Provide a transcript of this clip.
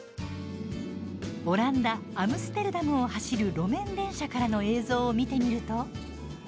オランダ・アムステルダムを走る、路面電車からの映像を見てみると。